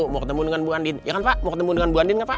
mau ketemu dengan bu andin ya kan pak mau ketemu dengan bu andin